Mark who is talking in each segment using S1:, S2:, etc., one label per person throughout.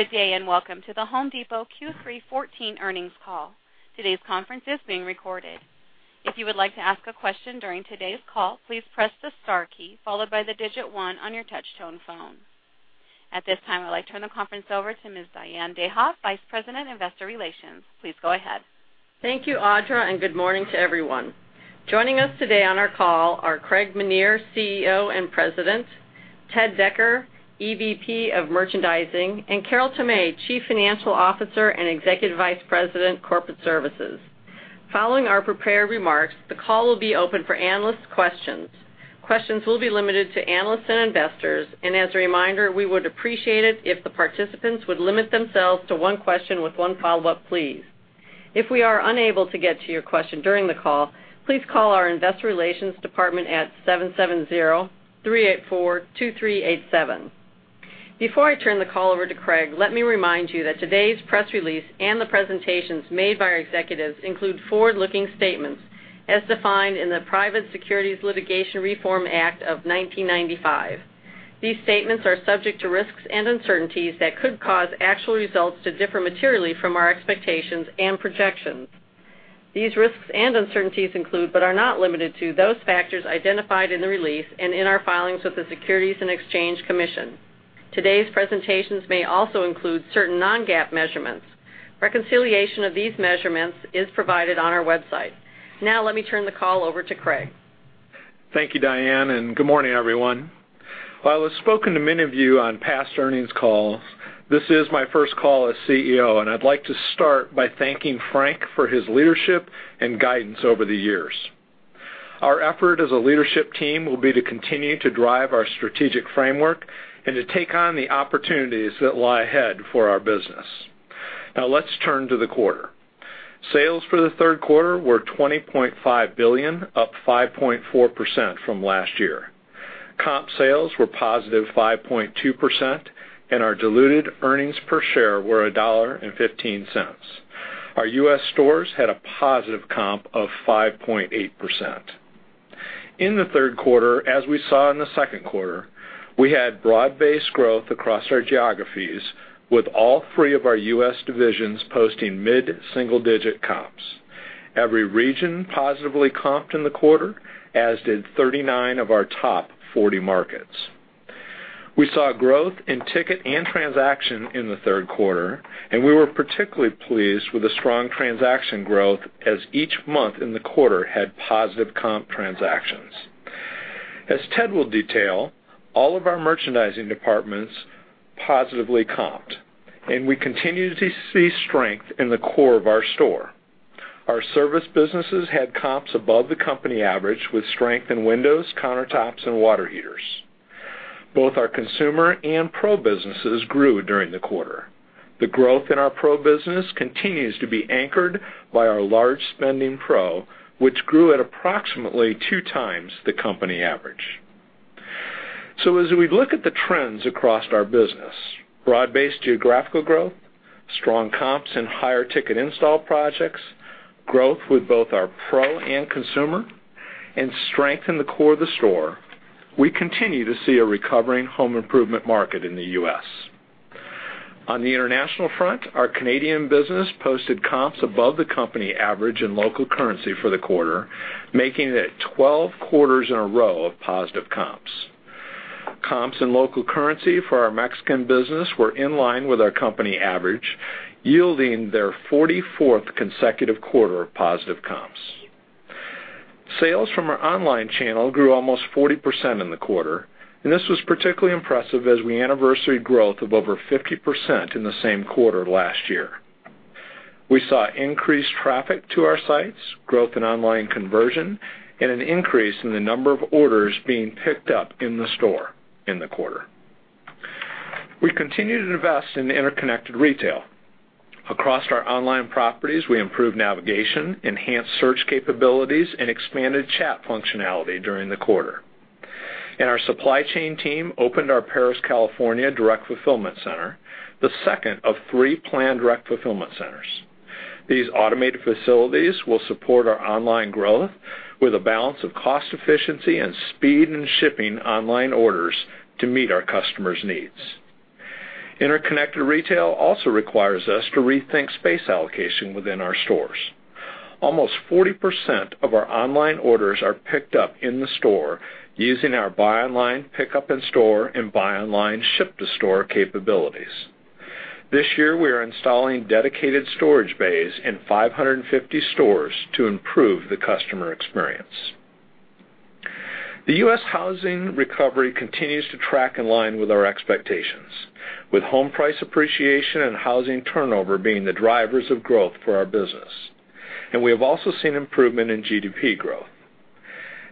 S1: Good day, welcome to The Home Depot Q3 2014 earnings call. Today's conference is being recorded. If you would like to ask a question during today's call, please press the star key followed by the digit 1 on your touch-tone phone. At this time, I'd like to turn the conference over to Ms. Diane Dayhoff, Vice President, Investor Relations. Please go ahead.
S2: Thank you, Audra, good morning to everyone. Joining us today on our call are Craig Menear, CEO and President, Ted Decker, EVP of Merchandising, Carol Tomé, Chief Financial Officer and Executive Vice President, Corporate Services. Following our prepared remarks, the call will be open for analyst questions. Questions will be limited to analysts and investors, as a reminder, we would appreciate it if the participants would limit themselves to one question with one follow-up, please. If we are unable to get to your question during the call, please call our investor relations department at 770-384-2387. Before I turn the call over to Craig, let me remind you that today's press release and the presentations made by our executives include forward-looking statements as defined in the Private Securities Litigation Reform Act of 1995. These statements are subject to risks and uncertainties that could cause actual results to differ materially from our expectations and projections. These risks and uncertainties include, but are not limited to, those factors identified in the release and in our filings with the Securities and Exchange Commission. Today's presentations may also include certain non-GAAP measurements. Reconciliation of these measurements is provided on our website. Let me turn the call over to Craig.
S3: Thank you, Diane, good morning, everyone. While I've spoken to many of you on past earnings calls, this is my first call as CEO, I'd like to start by thanking Frank for his leadership and guidance over the years. Our effort as a leadership team will be to continue to drive our strategic framework and to take on the opportunities that lie ahead for our business. Let's turn to the quarter. Sales for the third quarter were $20.5 billion, up 5.4% from last year. Comp sales were positive 5.2%, and our diluted earnings per share were $1.15. Our U.S. stores had a positive comp of 5.8%. In the third quarter, as we saw in the second quarter, we had broad-based growth across our geographies, with all three of our U.S. divisions posting mid-single-digit comps. Every region positively comped in the quarter, as did 39 of our top 40 markets. We saw growth in ticket and transaction in the third quarter, and we were particularly pleased with the strong transaction growth, as each month in the quarter had positive comp transactions. As Ted will detail, all of our merchandising departments positively comped, and we continue to see strength in the core of our store. Our service businesses had comps above the company average, with strength in windows, countertops, and water heaters. Both our consumer and pro businesses grew during the quarter. The growth in our pro business continues to be anchored by our large spending pro, which grew at approximately two times the company average. As we look at the trends across our business, broad-based geographical growth, strong comps and higher ticket install projects, growth with both our pro and consumer, and strength in the core of the store, we continue to see a recovering home improvement market in the U.S. On the international front, our Canadian business posted comps above the company average in local currency for the quarter, making it 12 quarters in a row of positive comps. Comps in local currency for our Mexican business were in line with our company average, yielding their 44th consecutive quarter of positive comps. Sales from our online channel grew almost 40% in the quarter, and this was particularly impressive as we anniversaried growth of over 50% in the same quarter last year. We saw increased traffic to our sites, growth in online conversion, and an increase in the number of orders being picked up in the store in the quarter. We continue to invest in interconnected retail. Across our online properties, we improved navigation, enhanced search capabilities, and expanded chat functionality during the quarter. Our supply chain team opened our Perris, California, direct fulfillment center, the second of three planned direct fulfillment centers. These automated facilities will support our online growth with a balance of cost efficiency and speed in shipping online orders to meet our customers' needs. Interconnected retail also requires us to rethink space allocation within our stores. Almost 40% of our online orders are picked up in the store using our buy online, pickup in store, and buy online, ship to store capabilities. This year, we are installing dedicated storage bays in 550 stores to improve the customer experience. The U.S. housing recovery continues to track in line with our expectations, with home price appreciation and housing turnover being the drivers of growth for our business. We have also seen improvement in GDP growth.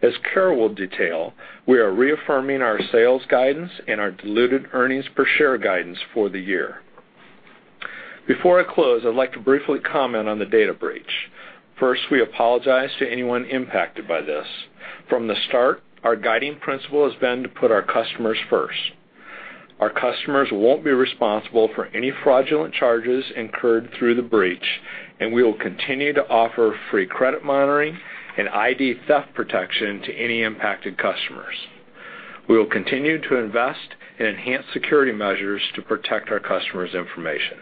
S3: As Carol will detail, we are reaffirming our sales guidance and our diluted earnings per share guidance for the year. Before I close, I'd like to briefly comment on the data breach. First, we apologize to anyone impacted by this. From the start, our guiding principle has been to put our customers first. Our customers won't be responsible for any fraudulent charges incurred through the breach, and we will continue to offer free credit monitoring and ID theft protection to any impacted customers. We will continue to invest in enhanced security measures to protect our customers' information.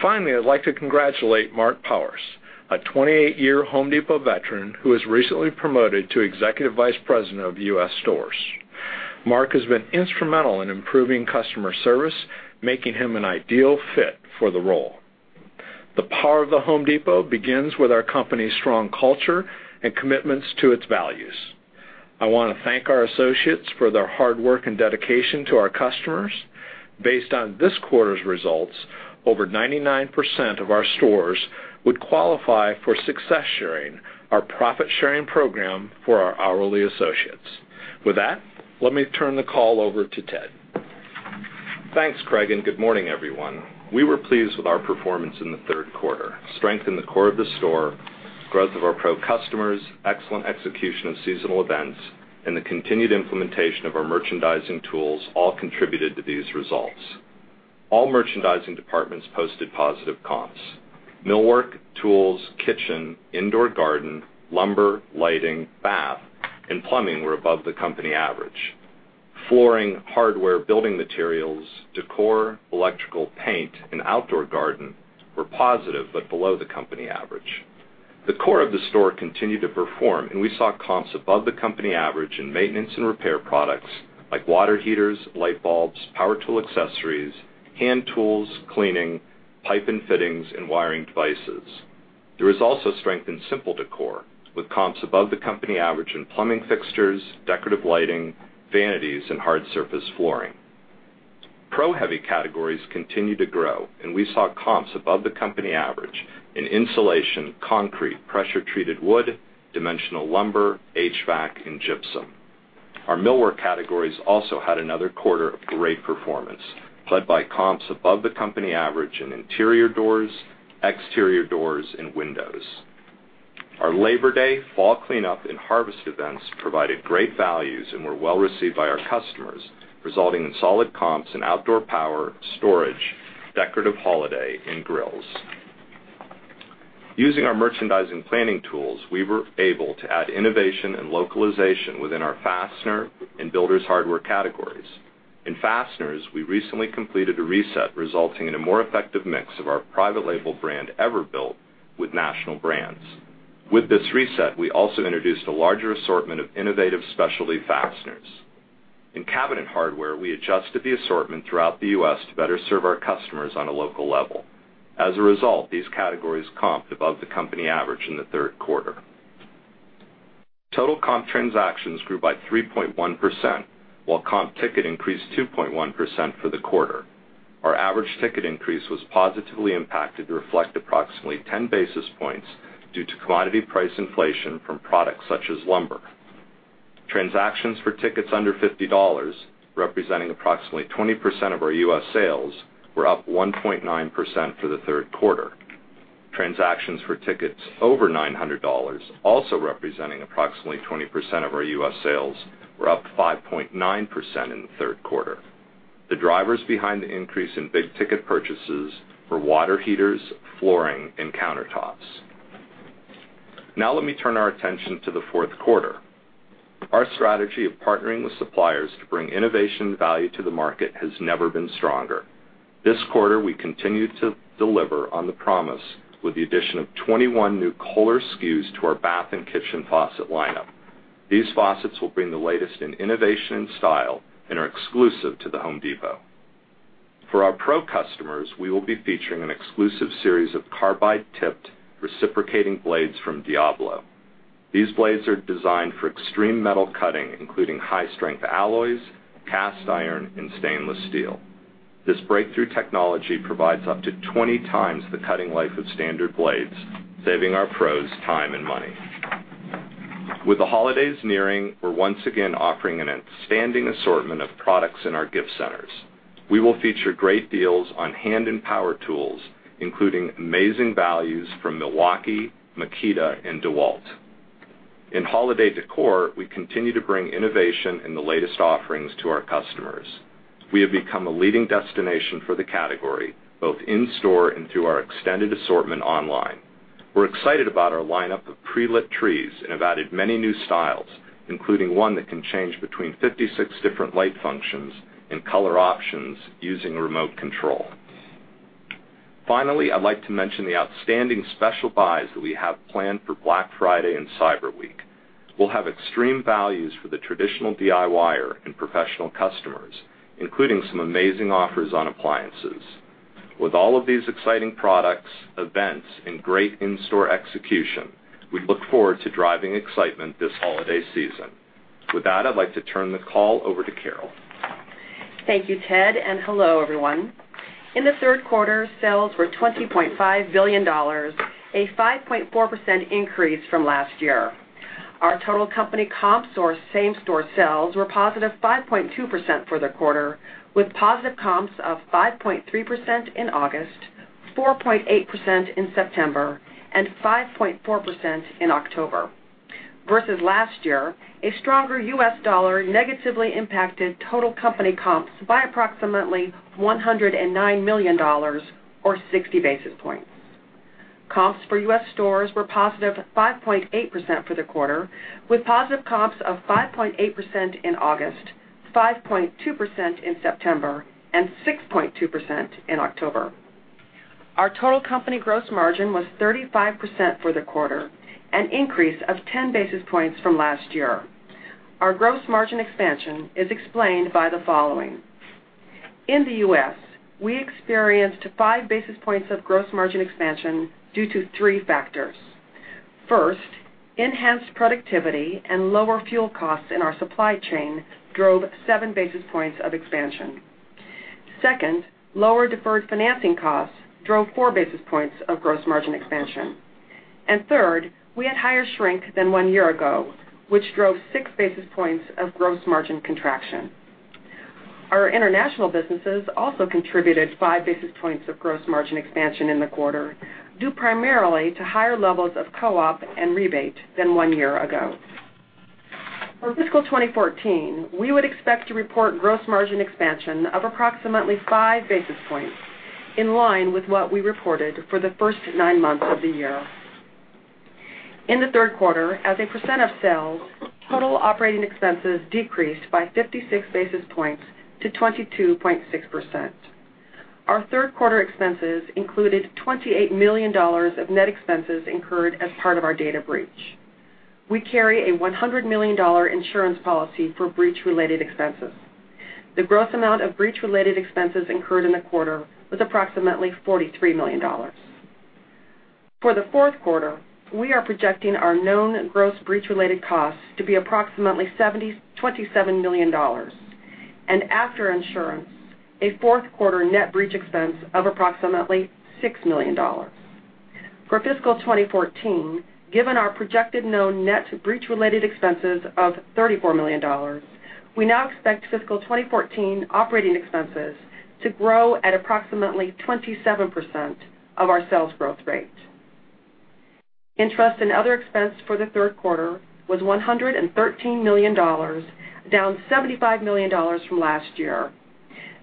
S3: Finally, I'd like to congratulate Mark Powers, a 28-year Home Depot veteran who was recently promoted to Executive Vice President of U.S. Stores. Mark has been instrumental in improving customer service, making him an ideal fit for the role. The power of The Home Depot begins with our company's strong culture and commitments to its values. I want to thank our associates for their hard work and dedication to our customers. Based on this quarter's results, over 99% of our stores would qualify for Success Sharing, our profit-sharing program for our hourly associates. With that, let me turn the call over to Ted.
S4: Thanks, Craig. Good morning, everyone. We were pleased with our performance in the third quarter. Strength in the core of the store, growth of our pro customers, excellent execution of seasonal events, the continued implementation of our merchandising tools all contributed to these results. All merchandising departments posted positive comps. Millwork, tools, kitchen, indoor garden, lumber, lighting, bath, and plumbing were above the company average. Flooring, hardware, building materials, decor, electrical, paint, and outdoor garden were positive but below the company average. The core of the store continued to perform, and we saw comps above the company average in maintenance and repair products like water heaters, light bulbs, power tool accessories, hand tools, cleaning, pipe and fittings, and wiring devices. There was also strength in simple decor, with comps above the company average in plumbing fixtures, decorative lighting, vanities, and hard surface flooring. Pro heavy categories continued to grow. We saw comps above the company average in insulation, concrete, pressure treated wood, dimensional lumber, HVAC, and gypsum. Our millwork categories also had another quarter of great performance, led by comps above the company average in interior doors, exterior doors, and windows. Our Labor Day, fall cleanup, and harvest events provided great values and were well-received by our customers, resulting in solid comps in outdoor power, storage, decorative holiday, and grills. Using our merchandising planning tools, we were able to add innovation and localization within our fastener and builder's hardware categories. In fasteners, we recently completed a reset, resulting in a more effective mix of our private label brand, Everbilt, with national brands. With this reset, we also introduced a larger assortment of innovative specialty fasteners. In cabinet hardware, we adjusted the assortment throughout the U.S. to better serve our customers on a local level. As a result, these categories comped above the company average in the third quarter. Total comp transactions grew by 3.1%, while comp ticket increased 2.1% for the quarter. Our average ticket increase was positively impacted to reflect approximately 10 basis points due to commodity price inflation from products such as lumber. Transactions for tickets under $50, representing approximately 20% of our U.S. sales, were up 1.9% for the third quarter. Transactions for tickets over $900, also representing approximately 20% of our U.S. sales, were up 5.9% in the third quarter. The drivers behind the increase in big-ticket purchases were water heaters, flooring, and countertops. Now let me turn our attention to the fourth quarter. Our strategy of partnering with suppliers to bring innovation and value to the market has never been stronger. This quarter, we continued to deliver on the promise with the addition of 21 new Kohler SKUs to our bath and kitchen faucet lineup. These faucets will bring the latest in innovation and style and are exclusive to The Home Depot. For our pro customers, we will be featuring an exclusive series of carbide-tipped reciprocating blades from Diablo. These blades are designed for extreme metal cutting, including high-strength alloys, cast iron, and stainless steel. This breakthrough technology provides up to 20 times the cutting life of standard blades, saving our pros time and money. With the holidays nearing, we're once again offering an outstanding assortment of products in our gift centers. We will feature great deals on hand and power tools, including amazing values from Milwaukee, Makita, and DeWalt. In holiday decor, we continue to bring innovation and the latest offerings to our customers. We have become a leading destination for the category, both in store and through our extended assortment online. We're excited about our lineup of pre-lit trees and have added many new styles, including one that can change between 56 different light functions and color options using a remote control. Finally, I'd like to mention the outstanding special buys that we have planned for Black Friday and Cyber Week. We'll have extreme values for the traditional DIYer and professional customers, including some amazing offers on appliances. With all of these exciting products, events, and great in-store execution, we look forward to driving excitement this holiday season. With that, I'd like to turn the call over to Carol.
S5: Thank you, Ted, and hello, everyone. In the third quarter, sales were $20.5 billion, a 5.4% increase from last year. Our total company comps or same-store sales were positive 5.2% for the quarter, with positive comps of 5.3% in August, 4.8% in September, and 5.4% in October. Versus last year, a stronger U.S. dollar negatively impacted total company comps by approximately $109 million, or 60 basis points. Comps for U.S. stores were positive 5.8% for the quarter, with positive comps of 5.8% in August, 5.2% in September, and 6.2% in October. Our total company gross margin was 35% for the quarter, an increase of 10 basis points from last year. Our gross margin expansion is explained by the following. In the U.S., we experienced five basis points of gross margin expansion due to three factors. First, enhanced productivity and lower fuel costs in our supply chain drove seven basis points of expansion. Second, lower deferred financing costs drove four basis points of gross margin expansion. Third, we had higher shrink than one year ago, which drove six basis points of gross margin contraction. Our international businesses also contributed five basis points of gross margin expansion in the quarter, due primarily to higher levels of co-op and rebate than one year ago. For fiscal 2014, we would expect to report gross margin expansion of approximately five basis points, in line with what we reported for the first nine months of the year. In the third quarter, as a percent of sales, total operating expenses decreased by 56 basis points to 22.6%. Our third quarter expenses included $28 million of net expenses incurred as part of our data breach. We carry a $100 million insurance policy for breach-related expenses. The gross amount of breach-related expenses incurred in the quarter was approximately $43 million. For the fourth quarter, we are projecting our known gross breach-related costs to be approximately $27 million, and after insurance, a fourth quarter net breach expense of approximately $6 million. For fiscal 2014, given our projected known net breach-related expenses of $34 million, we now expect fiscal 2014 operating expenses to grow at approximately 27% of our sales growth rate. Interest and other expense for the third quarter was $113 million, down $75 million from last year.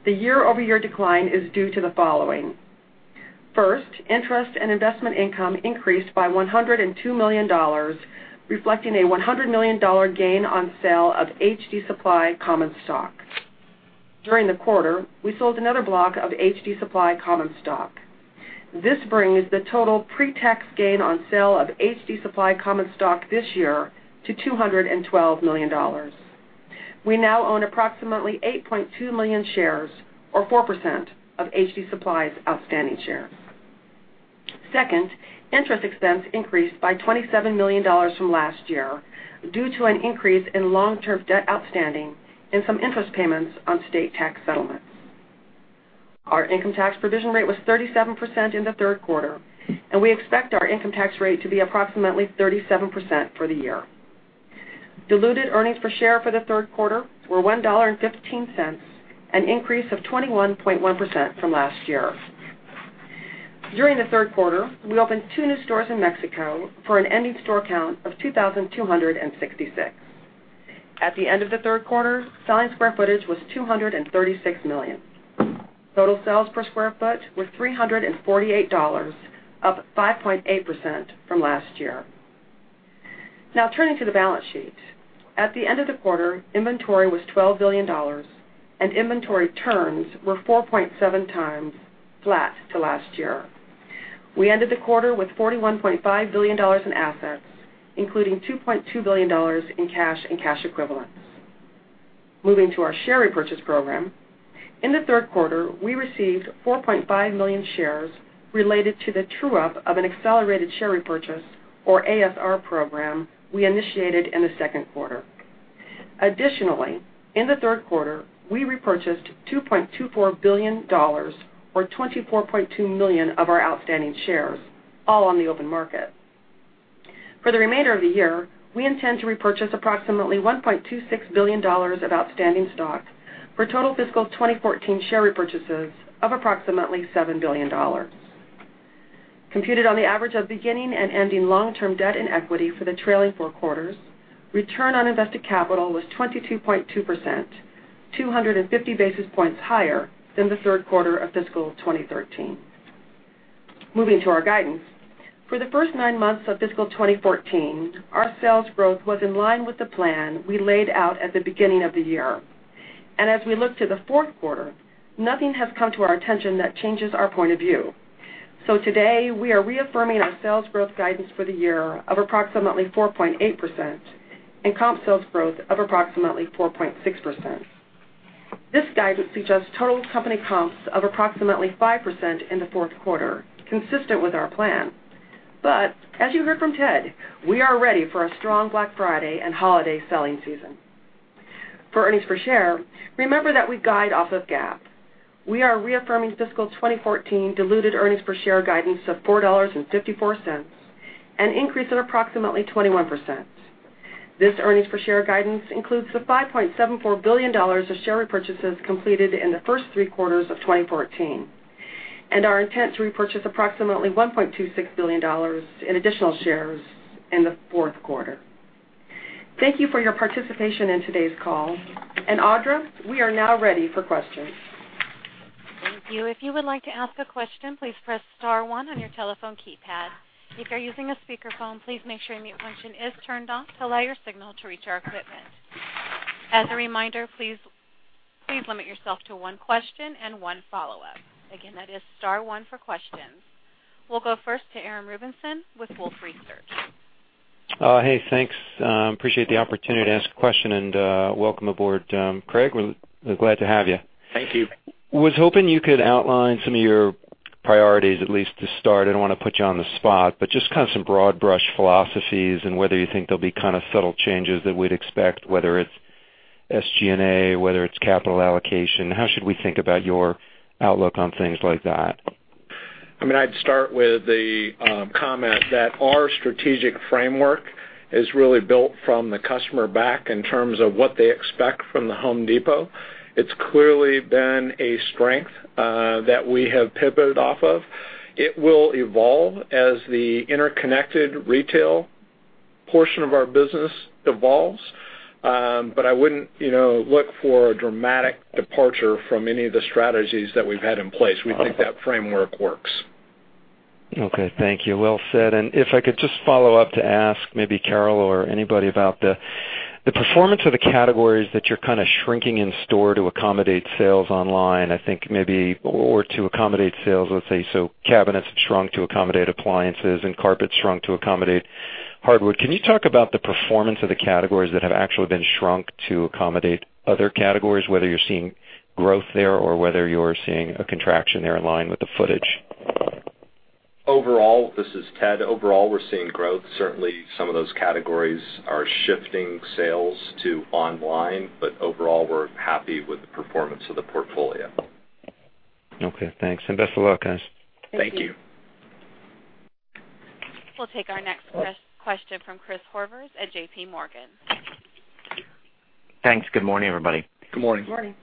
S5: The year-over-year decline is due to the following. First, interest and investment income increased by $102 million, reflecting a $100 million gain on sale of HD Supply common stock. During the quarter, we sold another block of HD Supply common stock. This brings the total pre-tax gain on sale of HD Supply common stock this year to $212 million. We now own approximately 8.2 million shares or 4% of HD Supply's outstanding shares. Second, interest expense increased by $27 million from last year due to an increase in long-term debt outstanding and some interest payments on state tax settlements. Our income tax provision rate was 37% in the third quarter, and we expect our income tax rate to be approximately 37% for the year. Diluted earnings per share for the third quarter were $1.15, an increase of 21.1% from last year. During the third quarter, we opened two new stores in Mexico for an ending store count of 2,266. At the end of the third quarter, selling square footage was 236 million. Total sales per square foot were $348, up 5.8% from last year. Now turning to the balance sheet. At the end of the quarter, inventory was $12 billion and inventory turns were 4.7 times, flat to last year. We ended the quarter with $41.5 billion in assets, including $2.2 billion in cash and cash equivalents. Moving to our share repurchase program. In the third quarter, we received 4.5 million shares related to the true-up of an accelerated share repurchase or ASR program we initiated in the second quarter. Additionally, in the third quarter, we repurchased $2.24 billion or 24.2 million of our outstanding shares, all on the open market. For the remainder of the year, we intend to repurchase approximately $1.26 billion of outstanding stock for total fiscal 2014 share repurchases of approximately $7 billion. Computed on the average of beginning and ending long-term debt and equity for the trailing four quarters, return on invested capital was 22.2%, 250 basis points higher than the third quarter of fiscal 2013. Moving to our guidance. For the first nine months of fiscal 2014, our sales growth was in line with the plan we laid out at the beginning of the year. As we look to the fourth quarter, nothing has come to our attention that changes our point of view. Today, we are reaffirming our sales growth guidance for the year of approximately 4.8% and comp sales growth of approximately 4.6%. This guidance suggests total company comps of approximately 5% in the fourth quarter, consistent with our plan. As you heard from Ted, we are ready for a strong Black Friday and holiday selling season. For earnings per share, remember that we guide off of GAAP. We are reaffirming fiscal 2014 diluted earnings per share guidance of $4.54, an increase of approximately 21%. This earnings per share guidance includes the $5.74 billion of share repurchases completed in the first three quarters of 2014 and our intent to repurchase approximately $1.26 billion in additional shares in the fourth quarter. Thank you for your participation in today's call. Audra, we are now ready for questions.
S1: Thank you. If you would like to ask a question, please press star one on your telephone keypad. If you're using a speakerphone, please make sure mute function is turned off to allow your signal to reach our equipment. As a reminder, please limit yourself to one question and one follow-up. Again, that is star one for questions. We'll go first to Aram Rubinson with Wolfe Research.
S6: Hey, thanks. Appreciate the opportunity to ask a question. Welcome aboard, Craig. We're glad to have you.
S3: Thank you.
S6: Was hoping you could outline some of your priorities, at least to start. I don't want to put you on the spot, just kind of some broad-brush philosophies and whether you think there'll be subtle changes that we'd expect, whether it's SG&A, whether it's capital allocation. How should we think about your outlook on things like that?
S3: I'd start with the comment that our strategic framework is really built from the customer back in terms of what they expect from The Home Depot. It's clearly been a strength that we have pivoted off of. It will evolve as the interconnected retail portion of our business evolves. I wouldn't look for a dramatic departure from any of the strategies that we've had in place. We think that framework works.
S6: Okay, thank you. Well said. If I could just follow up to ask maybe Carol or anybody about the performance of the categories that you're kind of shrinking in store to accommodate sales online, I think maybe, or to accommodate sales, let's say. Cabinets have shrunk to accommodate appliances, carpet shrunk to accommodate hardwood. Can you talk about the performance of the categories that have actually been shrunk to accommodate other categories, whether you're seeing growth there or whether you're seeing a contraction there in line with the footage?
S4: Overall, this is Ted. Overall, we're seeing growth. Certainly, some of those categories are shifting sales to online, overall, we're happy with the performance of the portfolio.
S6: Okay, thanks. Best of luck, guys.
S3: Thank you.
S1: We'll take our next question from Chris Horvers at JPMorgan.
S7: Thanks. Good morning, everybody.
S3: Good morning.
S5: Good morning.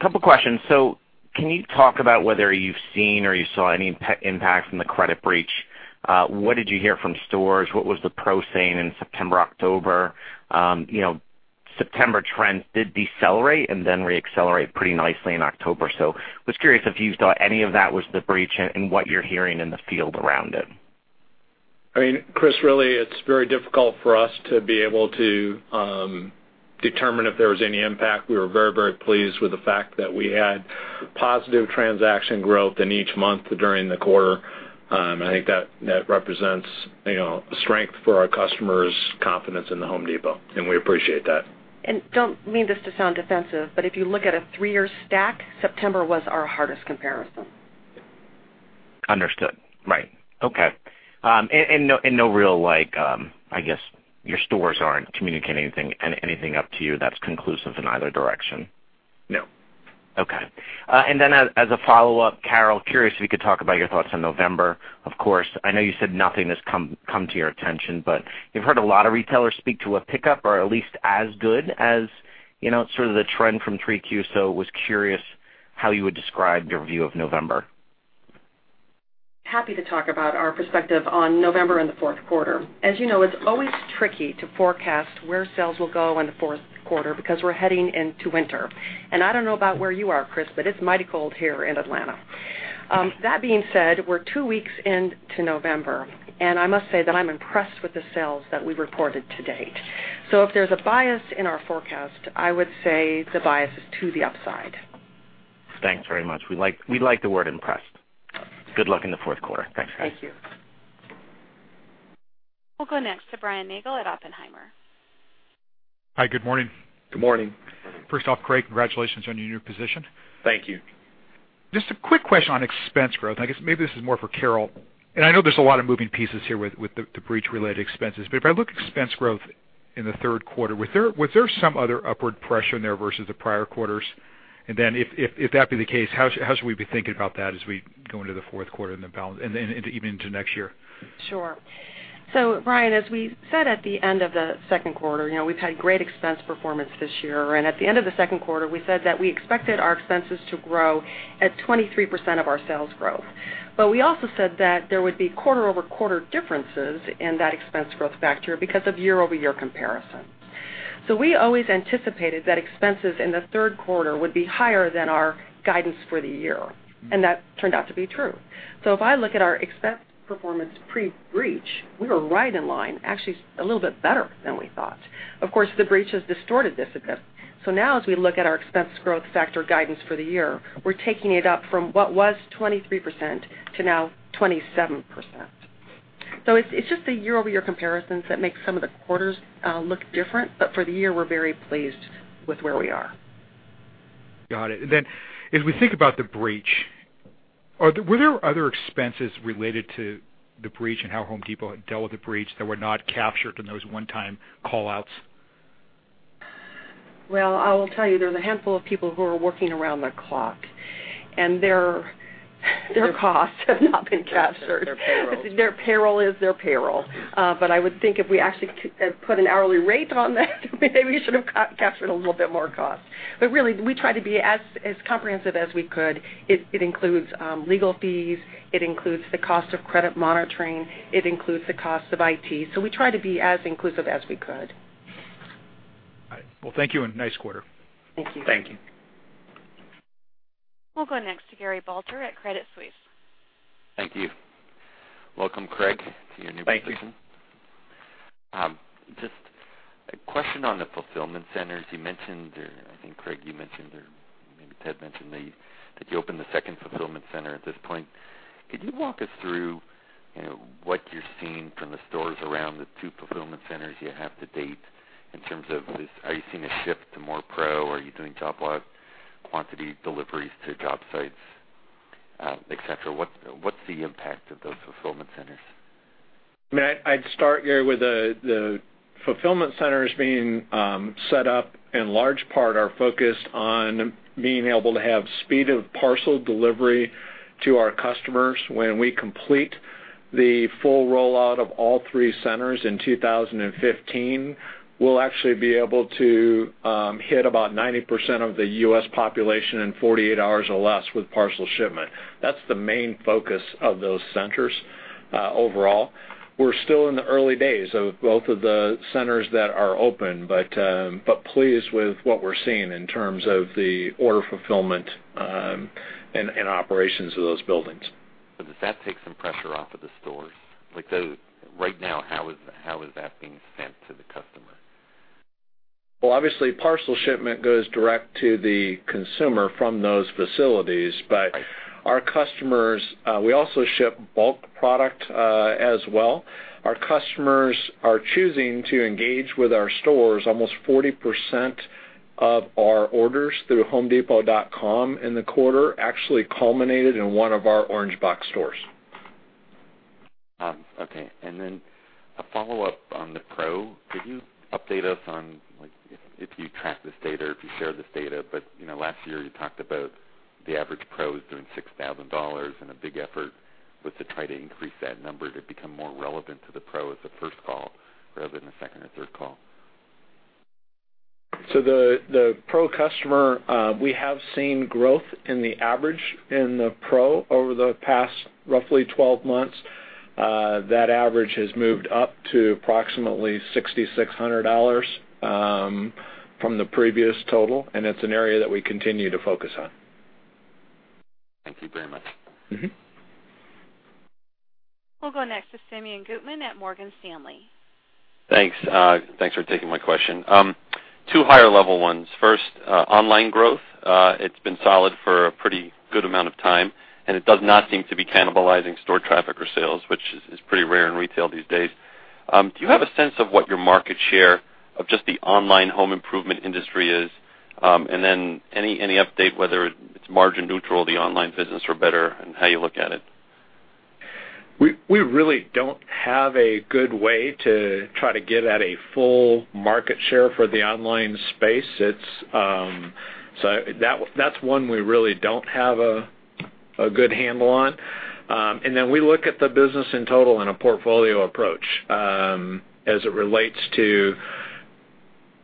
S7: Couple questions. Can you talk about whether you've seen or you saw any impact from the credit breach? What did you hear from stores? What was the Pros saying in September, October? September trends did decelerate and then re-accelerate pretty nicely in October. Was curious if you thought any of that was the breach and what you're hearing in the field around it.
S3: Chris, really, it's very difficult for us to be able to determine if there was any impact. We were very pleased with the fact that we had positive transaction growth in each month during the quarter. I think that represents strength for our customers' confidence in The Home Depot, and we appreciate that.
S5: Don't mean this to sound defensive, but if you look at a three-year stack, September was our hardest comparison.
S7: Understood. Right. Okay. No real like, I guess your stores aren't communicating anything up to you that's conclusive in either direction.
S3: No.
S7: Okay. As a follow-up, Carol, curious if you could talk about your thoughts on November. Of course, I know you said nothing has come to your attention, but you've heard a lot of retailers speak to a pickup or at least as good as sort of the trend from 3Q. Was curious how you would describe your view of November.
S5: Happy to talk about our perspective on November and the fourth quarter. As you know, it's always tricky to forecast where sales will go in the fourth quarter because we're heading into winter. I don't know about where you are, Chris, but it's mighty cold here in Atlanta. That being said, we're two weeks into November, and I must say that I'm impressed with the sales that we reported to date. If there's a bias in our forecast, I would say the bias is to the upside.
S7: Thanks very much. We like the word impressed. Good luck in the fourth quarter. Thanks, guys.
S5: Thank you.
S1: We'll go next to Brian Nagel at Oppenheimer.
S8: Hi, good morning.
S3: Good morning.
S8: First off, Craig, congratulations on your new position.
S3: Thank you.
S8: Just a quick question on expense growth. I guess maybe this is more for Carol, and I know there's a lot of moving pieces here with the breach-related expenses. If I look at expense growth in the third quarter, was there some other upward pressure in there versus the prior quarters? If that be the case, how should we be thinking about that as we go into the fourth quarter and then even into next year?
S5: Sure. Brian, as we said at the end of the second quarter, we've had great expense performance this year. At the end of the second quarter, we said that we expected our expenses to grow at 23% of our sales growth. We also said that there would be quarter-over-quarter differences in that expense growth factor because of year-over-year comparisons. We always anticipated that expenses in the third quarter would be higher than our guidance for the year, and that turned out to be true. If I look at our expense performance pre-breach, we were right in line, actually a little bit better than we thought. Of course, the breach has distorted this a bit. Now as we look at our expense growth factor guidance for the year, we're taking it up from what was 23% to now 27%. It's just the year-over-year comparisons that make some of the quarters look different. For the year, we're very pleased with where we are.
S8: Got it. As we think about the breach, were there other expenses related to the breach and how The Home Depot had dealt with the breach that were not captured in those one-time call-outs?
S5: Well, I will tell you, there's a handful of people who are working around the clock, their costs have not been captured.
S3: Their payroll.
S5: Their payroll is their payroll. I would think if we actually put an hourly rate on that, maybe we should have captured a little bit more cost. Really, we tried to be as comprehensive as we could. It includes legal fees, it includes the cost of credit monitoring, it includes the cost of IT. We tried to be as inclusive as we could.
S8: All right. Well, thank you, and nice quarter.
S5: Thank you.
S3: Thank you.
S1: We'll go next to Gary Balter at Credit Suisse.
S9: Thank you. Welcome, Craig, to your new position.
S3: Thank you.
S9: Just a question on the fulfillment centers. You mentioned, I think, Craig, you mentioned, or maybe Ted mentioned, that you opened the second fulfillment center at this point. Could you walk us through what you're seeing from the stores around the two fulfillment centers you have to date in terms of this, are you seeing a shift to more pro? Are you doing job lot quantity deliveries to job sites, et cetera? What's the impact of those fulfillment centers?
S3: I'd start, Gary, with the fulfillment centers being set up, in large part, are focused on being able to have speed of parcel delivery to our customers. When we complete the full rollout of all three centers in 2015, we'll actually be able to hit about 90% of the U.S. population in 48 hours or less with parcel shipment. That's the main focus of those centers overall. We're still in the early days of both of the centers that are open, but pleased with what we're seeing in terms of the order fulfillment, and operations of those buildings.
S9: Does that take some pressure off of the stores? Like, right now, how is that being sent to the customer?
S3: Well, obviously, parcel shipment goes direct to the consumer from those facilities. Our customers, we also ship bulk product, as well. Our customers are choosing to engage with our stores. Almost 40% of our orders through homedepot.com in the quarter actually culminated in one of our orange box stores.
S9: Okay. A follow-up on the pro. Could you update us on, if you track this data or if you share this data, but, last year, you talked about the average pros doing $6,000, and a big effort was to try to increase that number to become more relevant to the pro as a first call rather than a second or third call.
S3: The pro customer, we have seen growth in the average in the pro over the past roughly 12 months. That average has moved up to approximately $6,600, from the previous total, it is an area that we continue to focus on.
S9: Thank you very much.
S1: We will go next to Simeon Gutman at Morgan Stanley.
S10: Thanks. Thanks for taking my question. Two higher level ones. First, online growth, it's been solid for a pretty good amount of time, and it does not seem to be cannibalizing store traffic or sales, which is pretty rare in retail these days. Do you have a sense of what your market share of just the online home improvement industry is? Any update whether it's margin neutral, the online business, or better, and how you look at it?
S3: We really don't have a good way to try to get at a full market share for the online space. That's one we really don't have a good handle on. We look at the business in total in a portfolio approach, as it relates to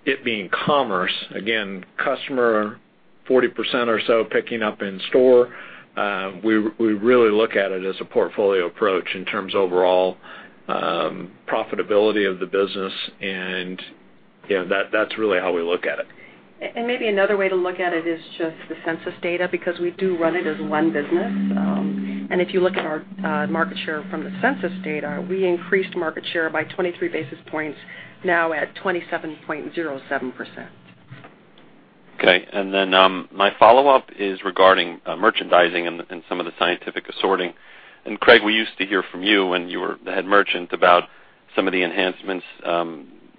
S3: it being commerce, again, customer 40% or so picking up in store. We really look at it as a portfolio approach in terms of overall profitability of the business, and that's really how we look at it.
S5: Maybe another way to look at it is just the census data, because we do run it as one business. If you look at our market share from the census data, we increased market share by 23 basis points, now at 27.07%.
S10: Okay, my follow-up is regarding merchandising and some of the scientific assorting. Craig, we used to hear from you when you were the head merchant about some of the enhancements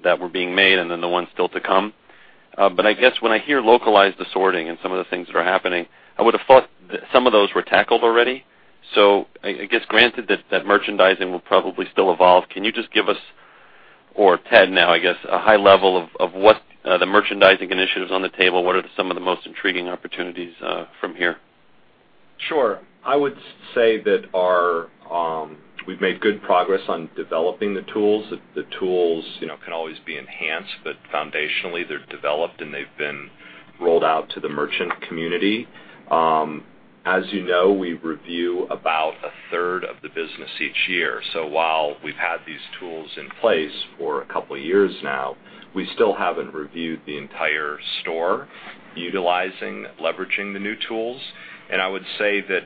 S10: that were being made, and then the ones still to come. I guess when I hear localized assorting and some of the things that are happening, I would've thought some of those were tackled already. I guess, granted that that merchandising will probably still evolve, can you just give us, or Ted now, I guess, a high level of what the merchandising initiatives on the table, what are some of the most intriguing opportunities from here?
S4: Sure. I would say that we've made good progress on developing the tools. The tools can always be enhanced, but foundationally they're developed, and they've been rolled out to the merchant community. As you know, we review about a third of the business each year. While we've had these tools in place for a couple of years now, we still haven't reviewed the entire store utilizing, leveraging the new tools. I would say that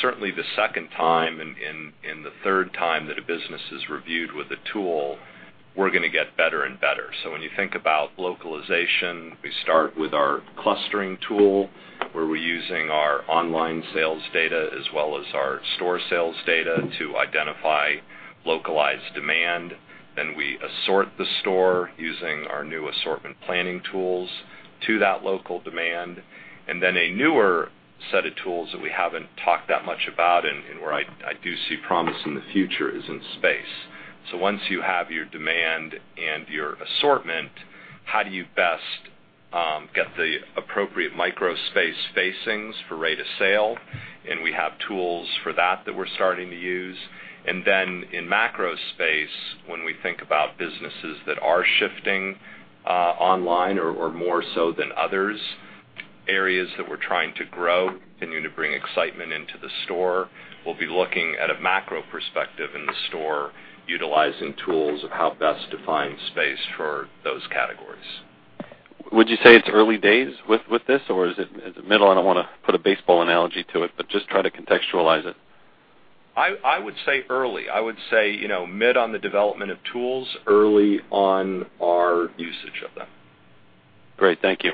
S4: certainly the second time, and the third time that a business is reviewed with a tool, we're going to get better and better. When you think about localization, we start with our clustering tool, where we're using our online sales data as well as our store sales data to identify localized demand. We assort the store using our new assortment planning tools to that local demand. A newer set of tools that we haven't talked that much about and where I do see promise in the future is in space. Once you have your demand and your assortment, how do you best get the appropriate micro space facings for rate of sale? We have tools for that that we're starting to use. In macro space, when we think about businesses that are shifting online or more so than others, areas that we're trying to grow, to bring excitement into the store. We'll be looking at a macro perspective in the store, utilizing tools of how best to find space for those categories.
S10: Would you say it's early days with this, or is it middle? I don't want to put a baseball analogy to it, but just try to contextualize it.
S4: I would say early. I would say mid on the development of tools, early on our usage of them.
S10: Great. Thank you.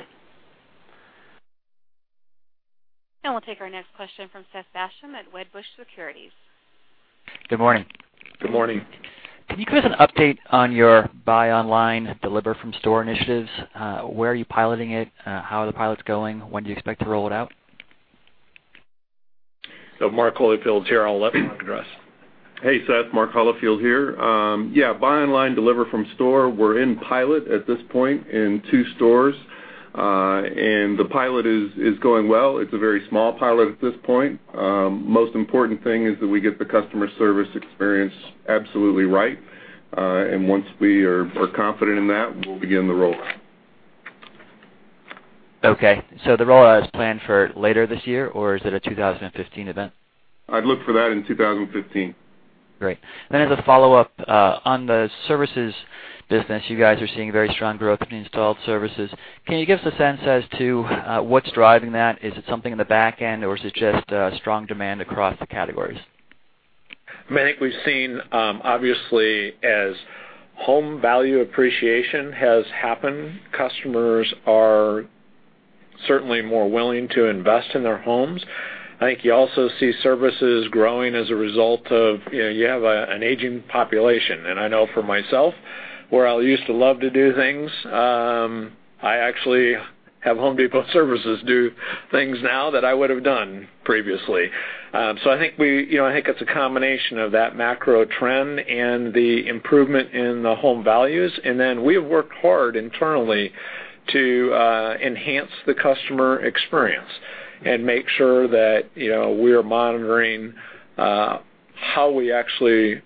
S1: We'll take our next question from Seth Basham at Wedbush Securities.
S11: Good morning.
S3: Good morning.
S11: Can you give us an update on your buy online, deliver from store initiatives? Where are you piloting it? How are the pilots going? When do you expect to roll it out?
S3: Mark Holifield's here. I'll let Mark address.
S12: Hey, Seth. Mark Holifield here. Yeah, buy online, deliver from store, we're in pilot at this point in two stores. The pilot is going well. It's a very small pilot at this point. Most important thing is that we get the customer service experience absolutely right. Once we are confident in that, we'll begin the rollout.
S11: Okay, the rollout is planned for later this year, or is it a 2015 event?
S12: I'd look for that in 2015.
S11: Great. As a follow-up, on the services business, you guys are seeing very strong growth in installed services. Can you give us a sense as to what's driving that? Is it something in the back end, or is it just strong demand across the categories?
S3: I think we've seen, obviously, as home value appreciation has happened, customers are certainly more willing to invest in their homes. I think you also see services growing as a result of you have an aging population. I know for myself, where I used to love to do things, I actually have The Home Depot services do things now that I would have done previously. I think it's a combination of that macro trend and the improvement in the home values. We have worked hard internally to enhance the customer experience and make sure that we are monitoring how we actually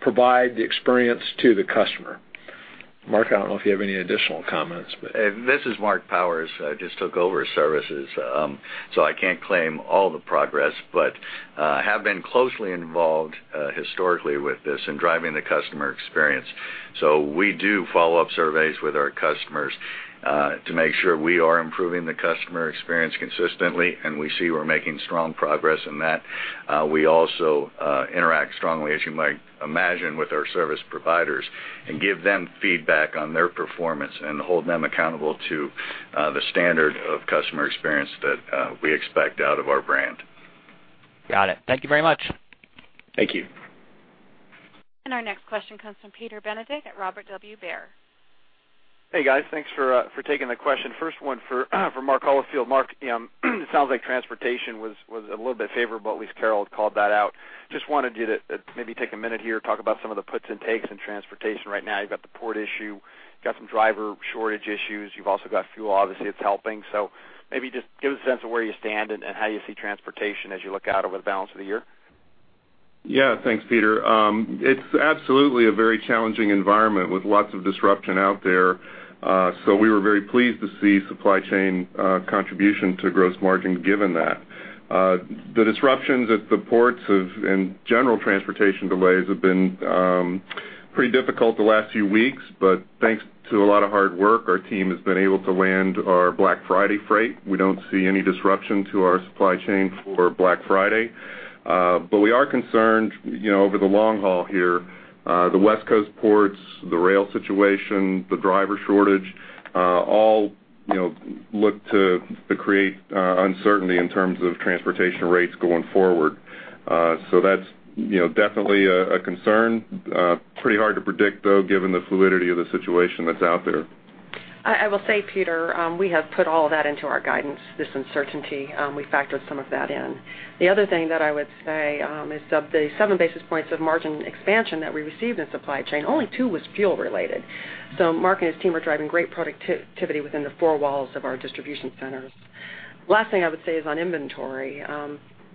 S3: provide the experience to the customer. Marc, I don't know if you have any additional comments, but
S13: This is Marc Powers. I just took over services, I can't claim all the progress, but have been closely involved historically with this in driving the customer experience. We do follow-up surveys with our customers to make sure we are improving the customer experience consistently, and we see we're making strong progress in that. We also interact strongly, as you might imagine, with our service providers and give them feedback on their performance and hold them accountable to the standard of customer experience that we expect out of our brand.
S11: Got it. Thank you very much.
S3: Thank you.
S1: Our next question comes from Peter Benedict at Robert W. Baird.
S14: Hey, guys. Thanks for taking the question. First one for Mark Holifield. Mark, it sounds like transportation was a little bit favorable. At least Carol had called that out. Just wanted you to maybe take a minute here, talk about some of the puts and takes in transportation right now. You've got the port issue, got some driver shortage issues. You've also got fuel, obviously, it's helping. Maybe just give us a sense of where you stand and how you see transportation as you look out over the balance of the year.
S12: Thanks, Peter. It's absolutely a very challenging environment with lots of disruption out there. We were very pleased to see supply chain contribution to gross margin given that. The disruptions at the ports and general transportation delays have been pretty difficult the last few weeks. Thanks to a lot of hard work, our team has been able to land our Black Friday freight. We don't see any disruption to our supply chain for Black Friday. We are concerned over the long haul here, the West Coast ports, the rail situation, the driver shortage all look to create uncertainty in terms of transportation rates going forward. That's definitely a concern. Pretty hard to predict, though, given the fluidity of the situation that's out there.
S5: I will say, Peter, we have put all of that into our guidance, this uncertainty. We factored some of that in. The other thing that I would say is of the seven basis points of margin expansion that we received in supply chain, only two was fuel related. Mark and his team are driving great productivity within the four walls of our distribution centers. Last thing I would say is on inventory.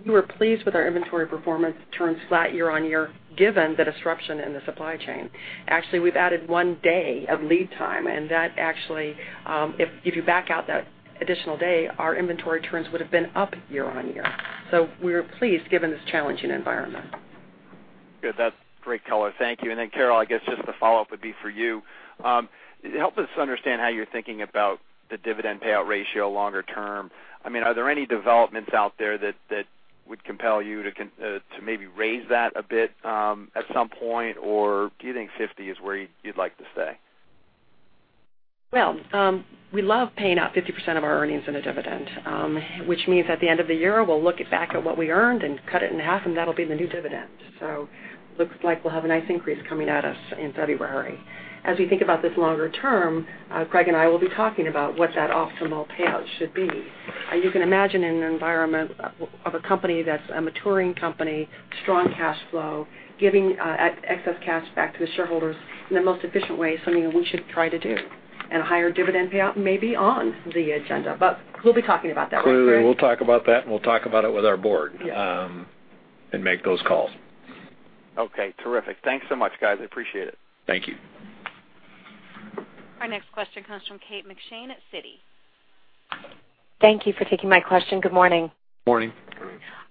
S5: We were pleased with our inventory performance turning flat year-over-year, given the disruption in the supply chain. Actually, we've added one day of lead time. That actually, if you back out that additional day, our inventory turns would have been up year-over-year. We're pleased, given this challenging environment.
S14: Good. That's great color. Thank you. Carol, I guess just the follow-up would be for you. Help us understand how you're thinking about the dividend payout ratio longer term. Are there any developments out there that would compel you to maybe raise that a bit at some point, or do you think 50% is where you'd like to stay?
S5: We love paying out 50% of our earnings in a dividend, which means at the end of the year, we'll look back at what we earned and cut it in half, and that'll be the new dividend. Looks like we'll have a nice increase coming at us in February. As we think about this longer term, Craig and I will be talking about what that optimal payout should be. You can imagine in an environment of a company that's a maturing company, strong cash flow, giving excess cash back to the shareholders in the most efficient way is something that we should try to do. A higher dividend payout may be on the agenda, but we'll be talking about that with Craig.
S3: We'll talk about that, and we'll talk about it with our board.
S5: Yeah
S3: Make those calls.
S14: Okay, terrific. Thanks so much, guys. I appreciate it.
S1: Thank you. Our next question comes from Kate McShane at Citi.
S15: Thank you for taking my question. Good morning.
S4: Morning.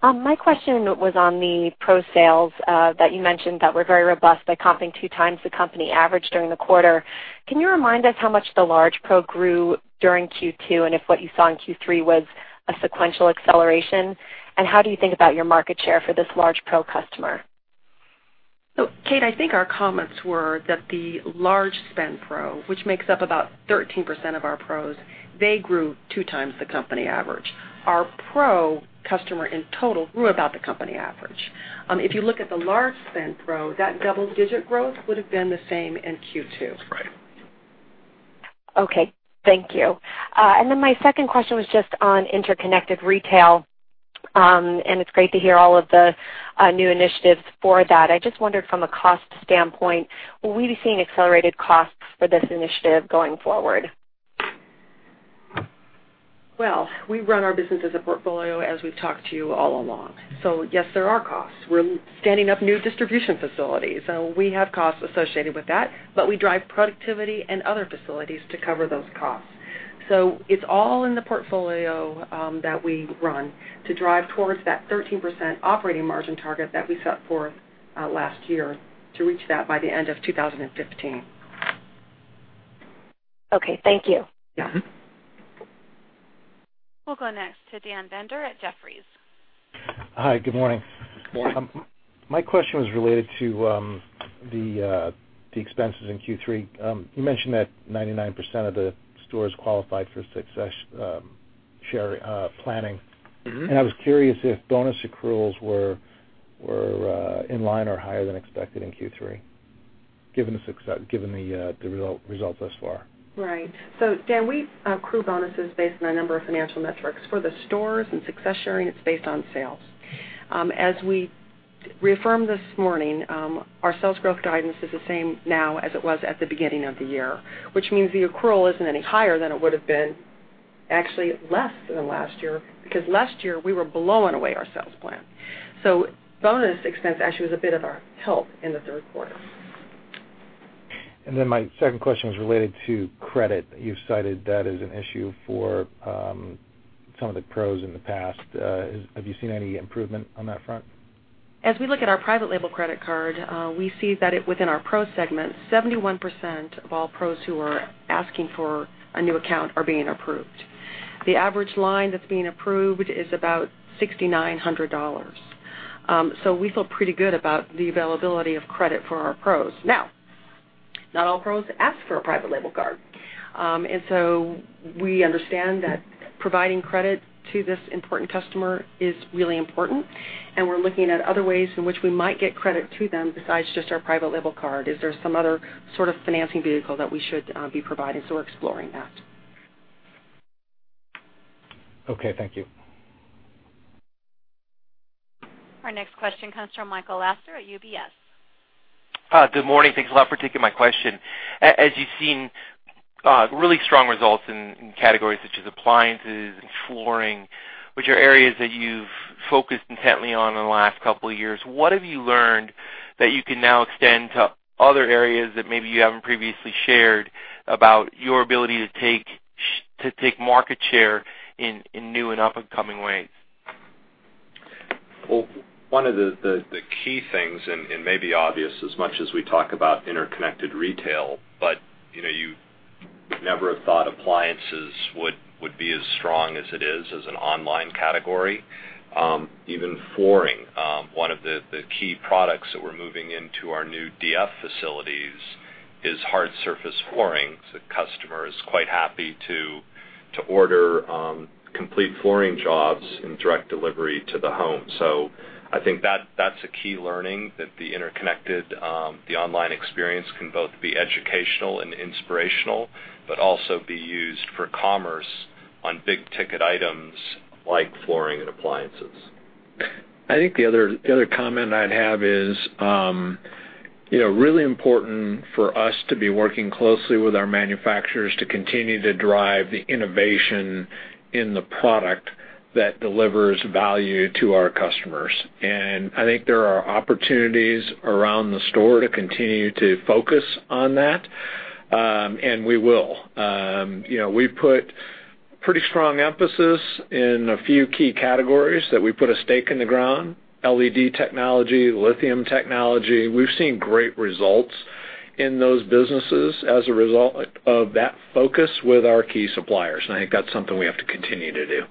S15: My question was on the pro sales that you mentioned that were very robust by comping two times the company average during the quarter. Can you remind us how much the large pro grew during Q2, and if what you saw in Q3 was a sequential acceleration? How do you think about your market share for this large pro customer?
S5: Kate, I think our comments were that the large spend pro, which makes up about 13% of our pros, grew two times the company average. Our pro customer in total grew about the company average. If you look at the large spend pro, that double-digit growth would have been the same in Q2.
S4: That's right.
S15: Okay. Thank you. My second question was just on interconnected retail, it's great to hear all of the new initiatives for that. I just wondered from a cost standpoint, will we be seeing accelerated costs for this initiative going forward?
S5: Well, we run our business as a portfolio, as we've talked to you all along. Yes, there are costs. We're standing up new distribution facilities. We have costs associated with that, but we drive productivity and other facilities to cover those costs. It's all in the portfolio that we run to drive towards that 13% operating margin target that we set forth last year to reach that by the end of 2015.
S15: Okay. Thank you.
S5: Yeah. Mm-hmm.
S3: We'll go next to Dan Binder at Jefferies.
S16: Hi. Good morning.
S4: Morning.
S16: My question was related to the expenses in Q3. You mentioned that 99% of the stores qualified for success share planning. I was curious if bonus accruals were in line or higher than expected in Q3, given the results thus far.
S5: Right. Dan, we accrue bonuses based on a number of financial metrics. For the stores and success sharing, it's based on sales. As we reaffirmed this morning, our sales growth guidance is the same now as it was at the beginning of the year, which means the accrual isn't any higher than it would've been. Actually, less than last year, because last year, we were blowing away our sales plan. Bonus expense actually was a bit of our help in the third quarter.
S16: My second question was related to credit. You've cited that as an issue for some of the pros in the past. Have you seen any improvement on that front?
S5: As we look at our private label credit card, we see that within our pro segment, 71% of all pros who are asking for a new account are being approved. The average line that's being approved is about $6,900. We feel pretty good about the availability of credit for our pros. Now, not all pros ask for a private label card. We understand that providing credit to this important customer is really important, and we're looking at other ways in which we might get credit to them besides just our private label card. Is there some other sort of financing vehicle that we should be providing? We're exploring that.
S16: Okay. Thank you.
S1: Our next question comes from Michael Lasser at UBS.
S17: Hi. Good morning. Thanks a lot for taking my question. As you've seen really strong results in categories such as appliances and flooring, which are areas that you've focused intently on in the last couple of years, what have you learned that you can now extend to other areas that maybe you haven't previously shared about your ability to take market share in new and up-and-coming ways?
S4: Well, one of the key things, it may be obvious as much as we talk about interconnected retail, you would never have thought appliances would be as strong as it is as an online category. Even flooring. One of the key products that we're moving into our new DF facilities is hard surface flooring. The customer is quite happy to order complete flooring jobs in direct delivery to the home. I think that's a key learning, that the interconnected, the online experience can both be educational and inspirational, but also be used for commerce on big-ticket items like flooring and appliances.
S3: I think the other comment I'd have is, really important for us to be working closely with our manufacturers to continue to drive the innovation in the product that delivers value to our customers. I think there are opportunities around the store to continue to focus on that. We will. We've put pretty strong emphasis in a few key categories that we put a stake in the ground. LED technology, lithium technology. We've seen great results in those businesses as a result of that focus with our key suppliers, and I think that's something we have to continue to do.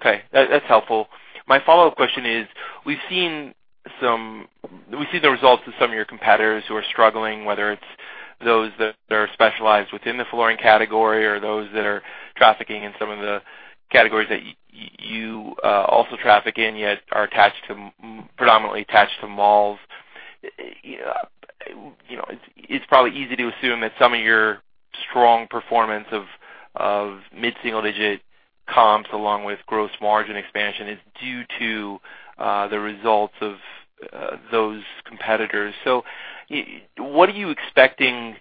S17: Okay. That's helpful. My follow-up question is, we see the results of some of your competitors who are struggling, whether it's those that are specialized within the flooring category or those that are trafficking in some of the categories that you also traffic in, yet are predominantly attached to malls. It's probably easy to assume that some of your strong performance of mid-single-digit comps, along with gross margin expansion, is due to the results of those competitors. What are you expecting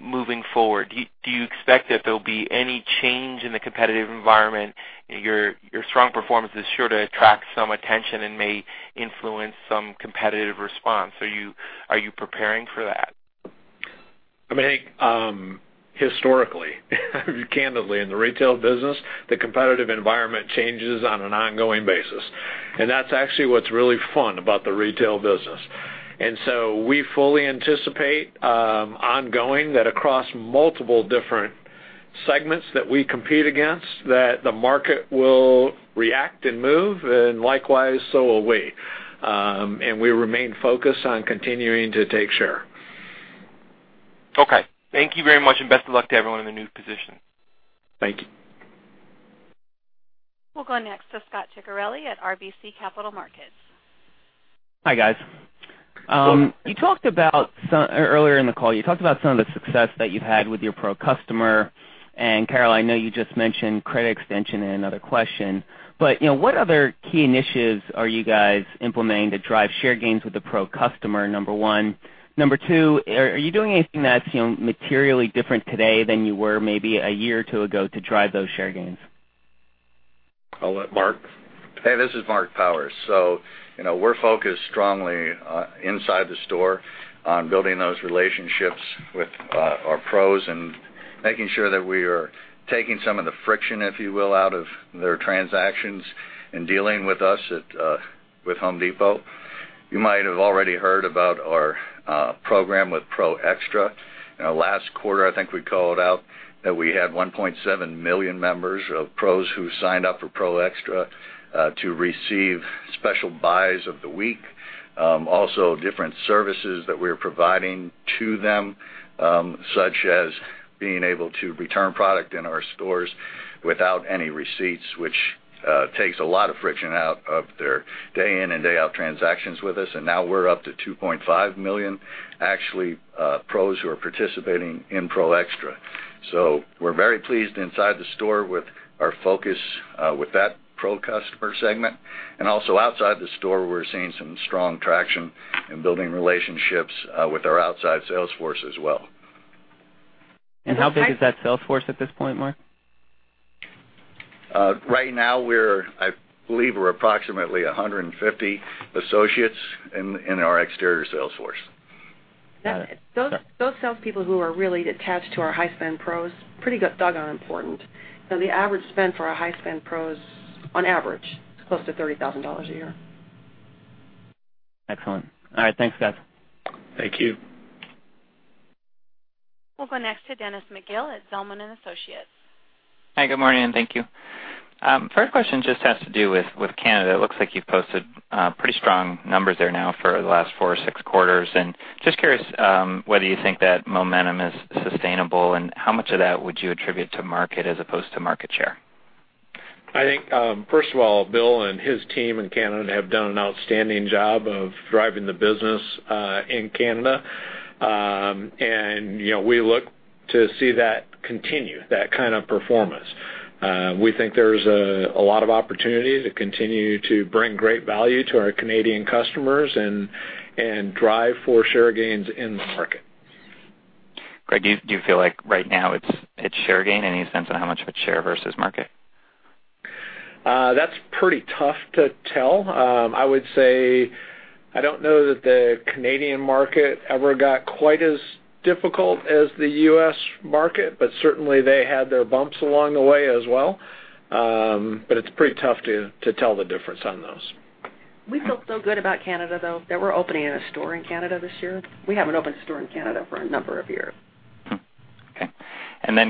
S17: moving forward? Do you expect that there'll be any change in the competitive environment? Your strong performance is sure to attract some attention and may influence some competitive response. Are you preparing for that?
S3: I think historically, candidly, in the retail business, the competitive environment changes on an ongoing basis. That's actually what's really fun about the retail business. We fully anticipate ongoing that across multiple different segments that we compete against, that the market will react and move, and likewise, so will we. We remain focused on continuing to take share.
S17: Okay. Thank you very much and best of luck to everyone in the new position.
S3: Thank you.
S1: We'll go next to Scot Ciccarelli at RBC Capital Markets.
S18: Hi, guys.
S3: Sure.
S18: Earlier in the call, you talked about some of the success that you've had with your pro customer, and Carol, I know you just mentioned credit extension in another question, but what other key initiatives are you guys implementing to drive share gains with the pro customer, number 1? Number 2, are you doing anything that's materially different today than you were maybe a year or two ago to drive those share gains?
S3: I'll let Mark.
S13: Hey, this is Marc Powers. We're focused strongly inside the store on building those relationships with our pros and making sure that we are taking some of the friction, if you will, out of their transactions in dealing with us with The Home Depot. You might have already heard about our program with Pro Xtra. Last quarter, I think we called out that we had 1.7 million members of pros who signed up for Pro Xtra, to receive special buys of the week. Also, different services that we're providing to them, such as being able to return product in our stores without any receipts, which takes a lot of friction out of their day in and day out transactions with us. Now we're up to 2.5 million, actually, pros who are participating in Pro Xtra. We're very pleased inside the store with our focus with that pro customer segment. Also outside the store, we're seeing some strong traction in building relationships with our outside sales force as well.
S18: How big is that sales force at this point, Marc?
S13: Right now, I believe we're approximately 150 associates in our exterior sales force.
S3: Those salespeople who are really attached to our high-spend pros, pretty doggone important. The average spend for our high-spend pros, on average, is close to $30,000 a year.
S18: Excellent. All right. Thanks, guys.
S3: Thank you.
S1: We'll go next to Dennis McGill at Zelman & Associates.
S19: Hi, good morning, and thank you. First question just has to do with Canada. It looks like you've posted pretty strong numbers there now for the last four or six quarters. Just curious whether you think that momentum is sustainable and how much of that would you attribute to market as opposed to market share?
S3: I think, first of all, Bill and his team in Canada have done an outstanding job of driving the business in Canada. We look to see that continue, that kind of performance. We think there's a lot of opportunity to continue to bring great value to our Canadian customers and drive for share gains in the market.
S19: Craig, do you feel like right now it's share gain? Any sense on how much of it's share versus market?
S3: That's pretty tough to tell. I would say I don't know that the Canadian market ever got quite as difficult as the U.S. market, but certainly they had their bumps along the way as well. It's pretty tough to tell the difference on those.
S5: We feel so good about Canada, though, that we're opening a store in Canada this year. We haven't opened a store in Canada for a number of years.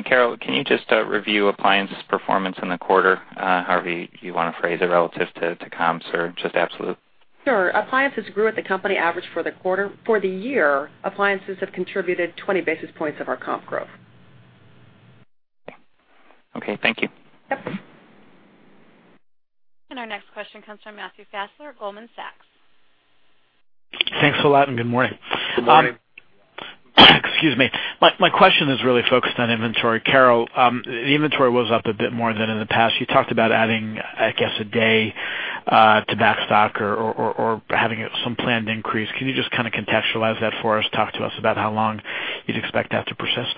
S19: Carol, can you just review appliances performance in the quarter, however you want to phrase it relative to comps or just absolute?
S5: Sure. Appliances grew at the company average for the quarter. For the year, appliances have contributed 20 basis points of our comp growth.
S19: Okay. Thank you.
S5: Yep.
S1: Our next question comes from Matthew Fassler, Goldman Sachs.
S20: Thanks a lot and good morning.
S3: Good morning.
S20: Excuse me. My question is really focused on inventory. Carol, inventory was up a bit more than in the past. You talked about adding, I guess, a day to backstock or having some planned increase. Can you just contextualize that for us? Talk to us about how long you'd expect that to persist.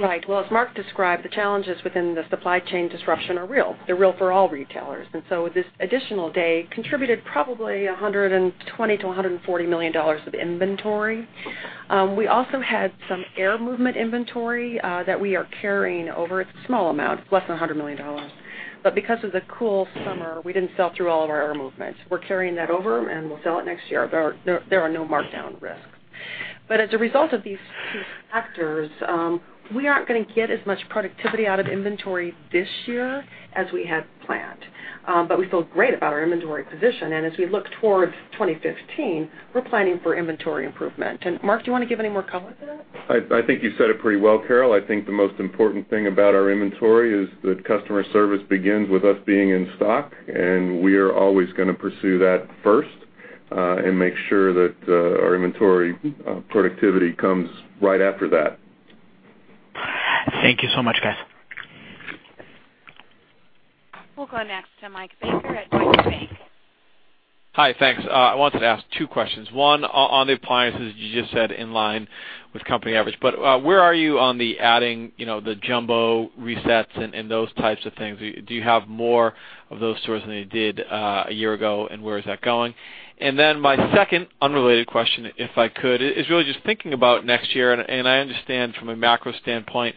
S5: Well, as Mark described, the challenges within the supply chain disruption are real. They're real for all retailers. This additional day contributed probably $120 million-$140 million of inventory. We also had some air movement inventory that we are carrying over. It's a small amount, less than $100 million. Because of the cool summer, we didn't sell through all of our air movement. We're carrying that over and we'll sell it next year. There are no markdown risks. As a result of these two factors, we aren't going to get as much productivity out of inventory this year as we had planned. We feel great about our inventory position, and as we look towards 2015, we're planning for inventory improvement. Mark, do you want to give any more color to that?
S12: I think you said it pretty well, Carol. I think the most important thing about our inventory is that customer service begins with us being in stock, and we are always going to pursue that first, and make sure that our inventory productivity comes right after that.
S20: Thank you so much, guys.
S1: We'll go next to Mike Baker at Jefferies.
S21: Hi. Thanks. I wanted to ask two questions. One, on the appliances, you just said in line with company average. Where are you on adding the jumbo resets and those types of things? Do you have more of those stores than you did a year ago, and where is that going? My second unrelated question, if I could, is really just thinking about next year. I understand from a macro standpoint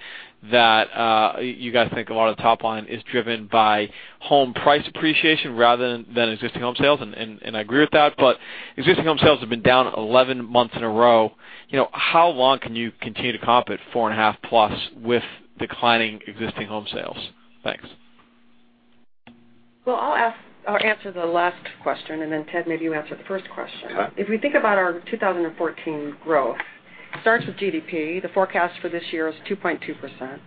S21: that you guys think a lot of the top line is driven by home price appreciation rather than existing home sales. I agree with that. Existing home sales have been down 11 months in a row. How long can you continue to comp at 4.5 plus with declining existing home sales? Thanks.
S5: I'll answer the last question. Ted, maybe you answer the first question.
S21: Yeah.
S5: If we think about our 2014 growth, it starts with GDP. The forecast for this year is 2.2%.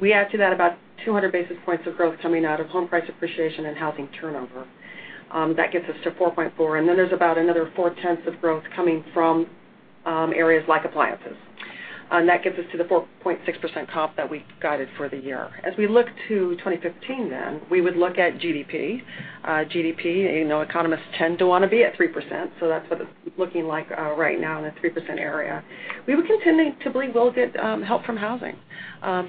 S5: We add to that about 200 basis points of growth coming out of home price appreciation and housing turnover. That gets us to 4.4. There's about another four-tenths of growth coming from areas like appliances. That gets us to the 4.6% comp that we guided for the year. As we look to 2015, we would look at GDP. GDP, economists tend to want to be at 3%. That's what it's looking like right now in the 3% area. We would continue to believe we'll get help from housing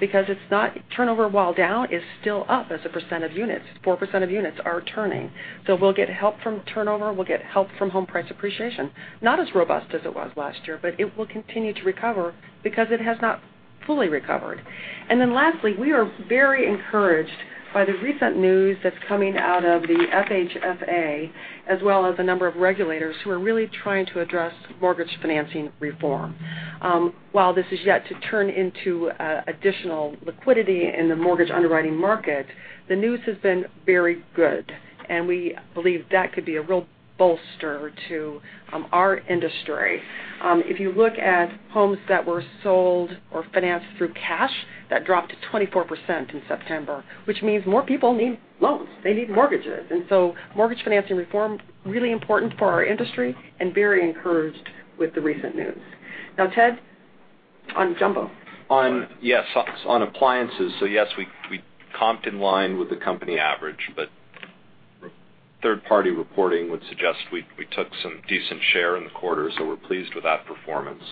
S5: because it's not turnover while down is still up as a percent of units. 4% of units are turning. We'll get help from turnover. We'll get help from home price appreciation. Not as robust as it was last year. It will continue to recover because it has not fully recovered. Lastly, we are very encouraged by the recent news that's coming out of the FHFA as well as a number of regulators who are really trying to address mortgage financing reform. While this is yet to turn into additional liquidity in the mortgage underwriting market, the news has been very good. We believe that could be a real bolster to our industry. If you look at homes that were sold or financed through cash, that dropped to 24% in September, which means more people need loans. They need mortgages. Mortgage financing reform, really important for our industry. Very encouraged with the recent news. Now, Ted, on jumbo.
S4: Yes. On appliances, yes, we comped in line with the company average, third-party reporting would suggest we took some decent share in the quarter, we're pleased with that performance.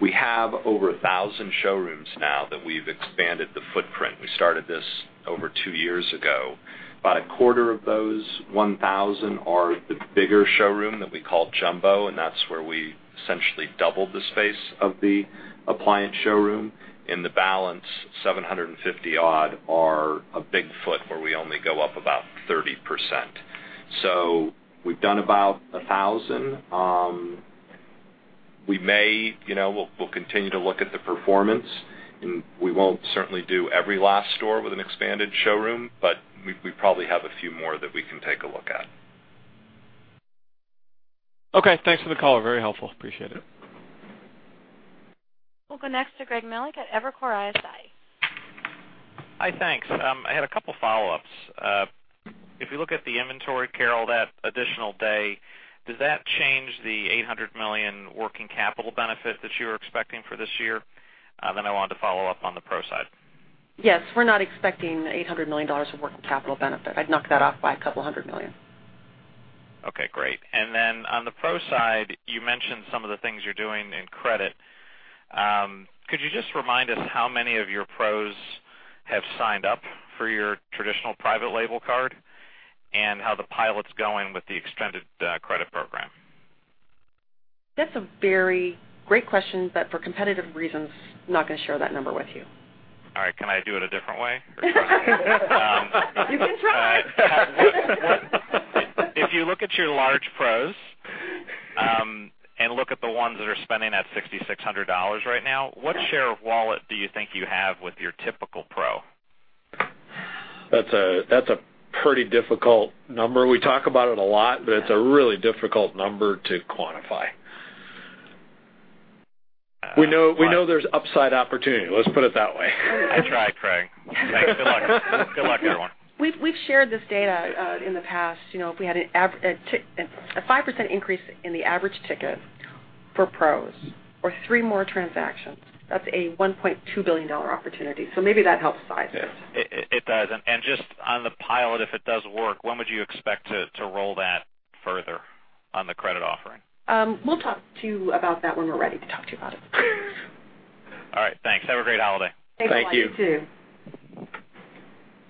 S4: We have over 1,000 showrooms now that we've expanded the footprint. We started this over two years ago. About a quarter of those 1,000 are the bigger showroom that we call jumbo, that's where we essentially doubled the space of the appliance showroom. In the balance, 750 odd are a big foot where we only go up about 30%. We've done about 1,000. We'll continue to look at the performance, we won't certainly do every last store with an expanded showroom, we probably have a few more that we can take a look at.
S21: Okay. Thanks for the call. Very helpful. Appreciate it.
S1: We'll go next to Greg Melich at Evercore ISI.
S22: Hi. Thanks. I had a couple follow-ups. If you look at the inventory, Carol, that additional day, does that change the $800 million working capital benefit that you were expecting for this year? I wanted to follow up on the pro side.
S5: Yes. We're not expecting $800 million of working capital benefit. I'd knock that off by $couple hundred million.
S22: Okay, great. On the pro side, you mentioned some of the things you're doing in credit. Could you just remind us how many of your pros have signed up for your traditional private label card and how the pilot's going with the extended credit program?
S5: That's a very great question, for competitive reasons, I'm not going to share that number with you.
S22: All right. Can I do it a different way or try?
S5: You can try.
S22: If you look at your large pros and look at the ones that are spending that $6,600 right now, what share of wallet do you think you have with your typical pro?
S4: That's a pretty difficult number. We talk about it a lot, but it's a really difficult number to quantify. We know there's upside opportunity. Let's put it that way.
S22: I tried, Greg. Thanks. Good luck. Good luck, everyone.
S5: We've shared this data in the past. If we had a 5% increase in the average ticket for pros or three more transactions, that's a $1.2 billion opportunity. Maybe that helps size it.
S22: It does. Just on the pilot, if it does work, when would you expect to roll that further on the credit offering?
S5: We'll talk to you about that when we're ready to talk to you about it.
S22: All right. Thanks. Have a great holiday.
S4: Thank you.
S5: Thanks a lot. You, too.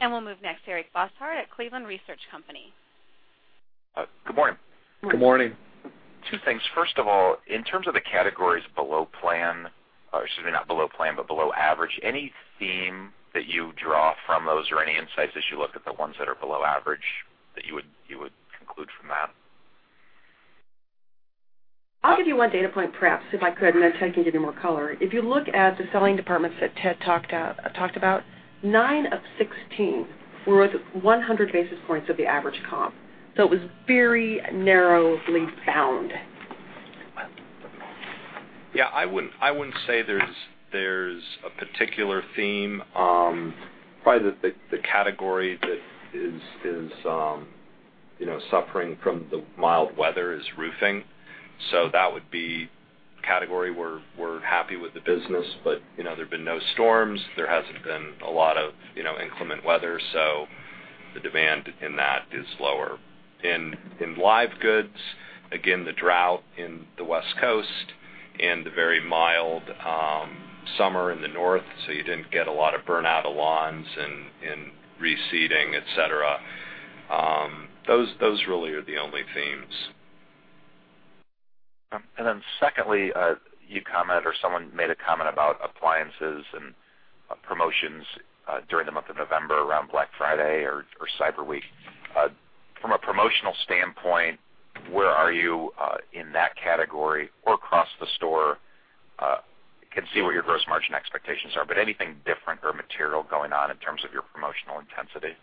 S1: We'll move next to Eric Bosshard at Cleveland Research Company.
S23: Good morning.
S4: Good morning.
S23: Two things. First of all, in terms of the categories below plan, or excuse me, not below plan, but below average, any theme that you draw from those or any insights as you look at the ones that are below average that you would conclude from that?
S5: I'll give you one data point perhaps, if I could, then Ted can give you more color. If you look at the selling departments that Ted talked about, nine of 16 were with 100 basis points of the average comp. It was very narrowly bound.
S4: Yeah, I wouldn't say there's a particular theme. Probably the category that is suffering from the mild weather is roofing. That would be category we're happy with the business, but there have been no storms. There hasn't been a lot of inclement weather, the demand in that is lower. In live goods, again, the drought in the West Coast and the very mild summer in the North, you didn't get a lot of burnout of lawns and reseeding, et cetera. Those really are the only themes.
S23: Secondly, you commented, or someone made a comment about appliances and promotions during the month of November around Black Friday or Cyber Week. From a promotional standpoint, where are you in that category or across the store? I can see what your gross margin expectations are, but anything different or material going on in terms of your promotional intensity?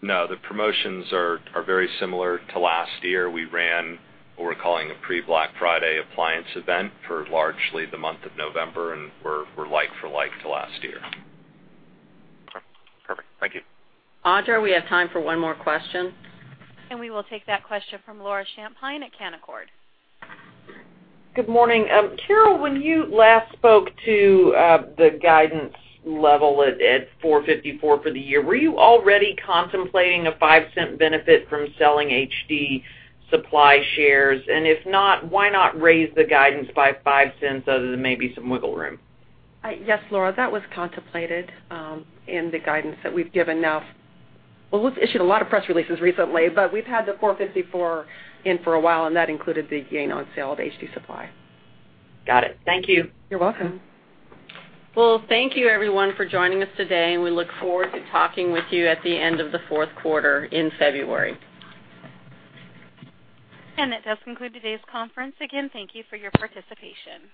S4: No, the promotions are very similar to last year. We ran what we're calling a pre-Black Friday appliance event for largely the month of November, and we're like for like to last year.
S23: Perfect. Thank you.
S2: Audra, we have time for one more question.
S1: We will take that question from Laura Champine at Canaccord.
S24: Good morning. Carol, when you last spoke to the guidance level at $4.54 for the year, were you already contemplating a $0.05 benefit from selling HD Supply shares? If not, why not raise the guidance by $0.05 other than maybe some wiggle room?
S5: Yes, Laura, that was contemplated in the guidance that we've given. Lowe's' issued a lot of press releases recently, but we've had the $4.54 in for a while, and that included the gain on sale of HD Supply.
S24: Got it. Thank you.
S5: You're welcome.
S2: Well, thank you, everyone, for joining us today, and we look forward to talking with you at the end of the fourth quarter in February.
S1: That does conclude today's conference. Again, thank you for your participation.